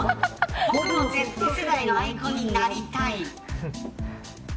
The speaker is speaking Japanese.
僕もＺ世代のアイコンになりたい。